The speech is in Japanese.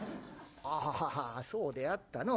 「ああそうであったのう。